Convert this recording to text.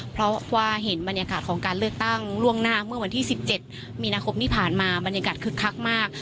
เพราะว่าเห็นบรรยากาศของการเลือกตั้งล่วงหน้าเมื่อวันที่๑๗มีนาคมที่ผ่านมาบรรยากาศคึกคักมาก